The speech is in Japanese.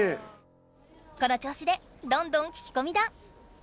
この調子でどんどん聞きこみだ！